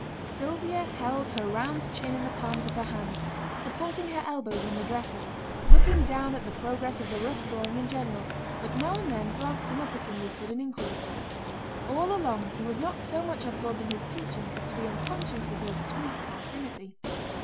Sylvia held her round chin in the palms of her hands, supporting her elbows on the dresser; looking down at the progress of the rough drawing in general, but now and then glancing up at him with sudden inquiry. All along he was not so much absorbed in his teaching as to be unconscious of her sweet proximity.